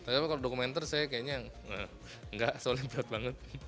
tapi kalau dokumenter saya kayaknya enggak soalnya berat banget